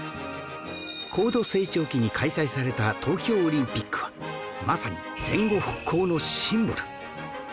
高度成長期に開催された東京オリンピックはまさに戦後復興のシンボル